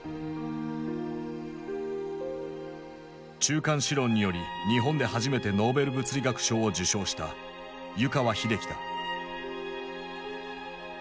中間子論により日本で初めてノーベル物理学賞を受賞した湯川秀樹だ。